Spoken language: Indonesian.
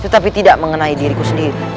tetapi tidak mengenai diriku sendiri